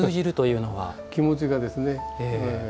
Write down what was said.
気持ちがですね。